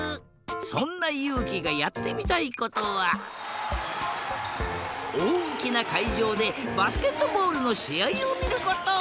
そんなゆうきがやってみたいことはおおきなかいじょうでバスケットボールのしあいをみること。